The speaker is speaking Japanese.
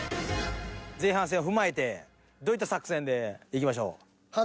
前半戦を踏まえてどういった作戦でいきましょう？